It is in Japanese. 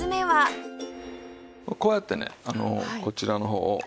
まあこうやってねこちらの方を。